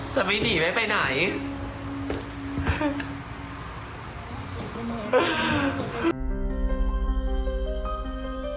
จะไม่หนีไม่ไปไหน